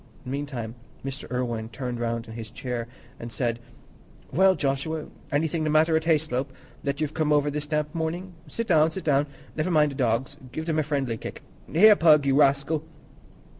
Meantime, Mr. Irwine turned round his chair and said, "Well, Joshua, anything the matter at Hayslope, that you've come over this damp morning? Sit down, sit down. Never mind the dogs; give them a friendly kick. Here, Pug, you rascal!"